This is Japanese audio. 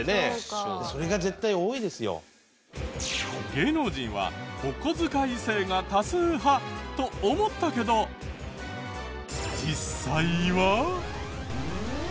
芸能人はおこづかい制が多数派と思ったけど実際は？